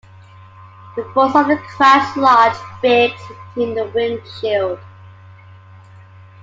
The force of the crash lodged Biggs into the windshield.